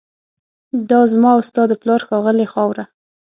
دا زما او ستا د پلار ښاغلې خاوره